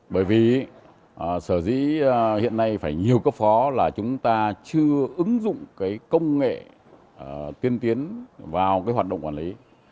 bởi vì sở dĩ hiện nay phải nhiều cấp phó là chúng ta chưa ứng dụng cái công nghệ tiên tiến vào cái hoạt động quản lý